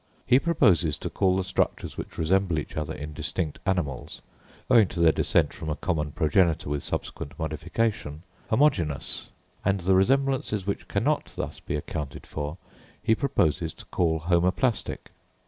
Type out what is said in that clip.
He proposes to call the structures which resemble each other in distinct animals, owing to their descent from a common progenitor with subsequent modification, homogenous; and the resemblances which cannot thus be accounted for, he proposes to call homoplastic.